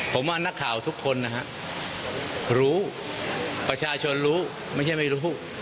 ผมว่านักข่าวทุกคนนะฮะรู้ประชาชนรู้ไม่ใช่ไม่รู้